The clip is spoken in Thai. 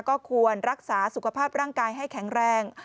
ก็ควรรักษาสุขภาพร่างกายให้แข็งแรง